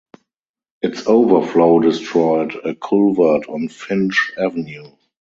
Its overflow destroyed a culvert on Finch Avenue.